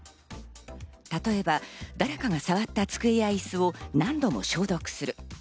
例えば、誰かが触った机や椅子を何度も消毒する。